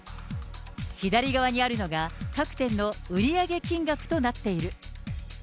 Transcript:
左側にあるのが、各店の売り上げ金額となっている。